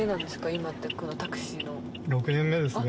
今ってこのタクシーの。６年目ですね。